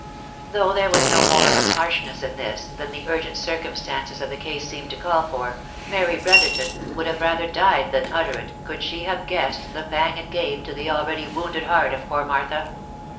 Though there was no more of harshness in this, than the urgent cir cumstances of the case seemed to call for, Mary Brotherton would have rather died than utter it, could she have guessed the pang it gave to the already wounded heart of poor Martha.